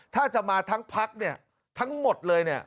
ถ้าจะมาทั้งพรรษทั้งหมดเลย